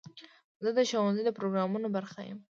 زه د ښوونځي د پروګرامونو برخه یم.